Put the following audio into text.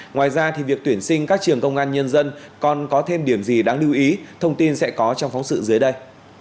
ngoài ra việc tuyển sinh các trường công an nhân dân còn có thêm điểm gì đáng lưu ý thông tin sẽ có trong phóng sự dưới đây